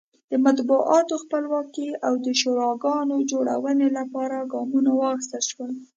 د مطبوعاتو خپلواکۍ او د شوراګانو جوړونې لپاره ګامونه واخیستل شول.